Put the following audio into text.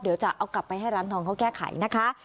เดี๋ยวจะเอากลับไปให้ร้านทองเขาแก้ไขนะคะ